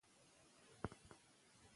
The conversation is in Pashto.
د همکارانو همغږي د همکارۍ فضا رامنځته کوي.